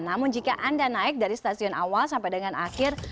namun jika anda naik dari stasiun awal sampai dengan akhir